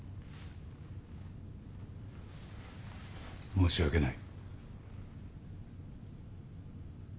申し訳ない。